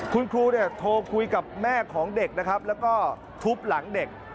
คุณครูเนี่ยโทรคุยกับแม่ของเด็กนะครับแล้วก็ทุบหลังเด็ก